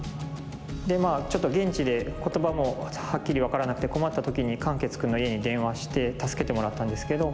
でまあちょっと現地で言葉もはっきり分からなくて困った時に漢傑くんの家に電話して助けてもらったんですけど。